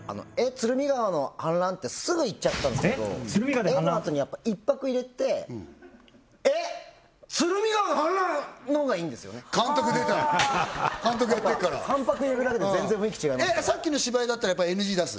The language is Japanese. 鶴見川の氾濫？」ってすぐ言っちゃったんですけど「え！？」のあとにやっぱ１拍入れてのほうがいいんですよね監督出た監督やってっからやっぱ半拍入れるだけで全然雰囲気違いますからさっきの芝居だったらやっぱＮＧ出す？